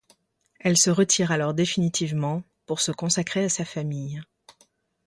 Elle se retire alors définitivement, pour se consacrer à sa famille.